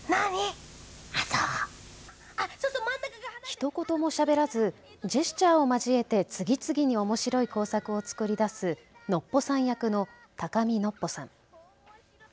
ひと言もしゃべらずジェスチャーを交えて次々におもしろい工作を作り出すノッポさん役の高見のっぽさん。